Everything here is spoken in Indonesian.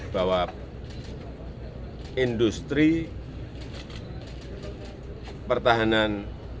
bahwa industri pertahanan